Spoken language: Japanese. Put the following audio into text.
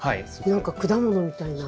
何か果物みたいな。